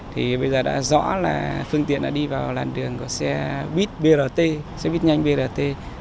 thì bây giờ đã rõ là phương tiện đã đi vào làn đường của xe buýt brt xe buýt nhanh brt